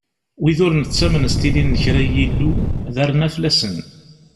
Wid ur nettamen s tilin n kra n yillu, d arnaflasen.